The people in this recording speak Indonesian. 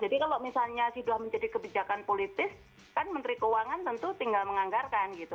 kalau misalnya sudah menjadi kebijakan politis kan menteri keuangan tentu tinggal menganggarkan gitu